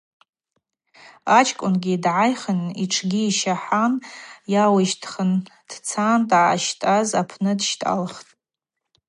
Ачкӏвынгьи дгӏайхын, йтшгьи йщахӏан, йауищтхын, дцан дъащтӏаз апны дщтӏалхтӏ.